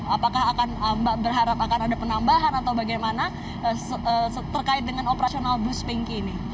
apakah akan mbak berharap akan ada penambahan atau bagaimana terkait dengan operasional bus pinky ini